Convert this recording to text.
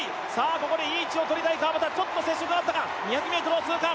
ここでいい位置をとりたい川端ちょっと接触があったか２００ｍを通過